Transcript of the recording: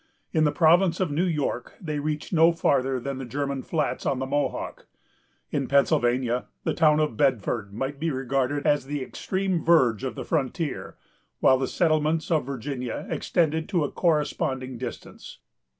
In the province of New York, they reached no farther than the German Flats, on the Mohawk. In Pennsylvania, the town of Bedford might be regarded as the extreme verge of the frontier, while the settlements of Virginia extended to a corresponding distance.